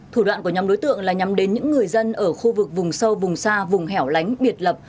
thủ đoạn của nhóm đối tượng là nhằm đến những người dân ở khu vực vùng sâu vùng xa vùng hẻo lánh biệt lập